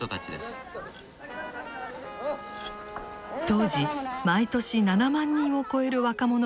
当時毎年７万人を超える若者が上京。